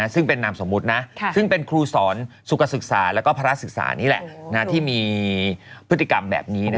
ซึ่งเป็นนำสมุดที่เป็นครูสอนการสุขศึกษาและพระศึกษานี่แหละที่มีพฤติกรรมแบบนี้